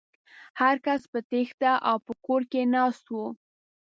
هر کس په تېښته و او په کور کې ناست و.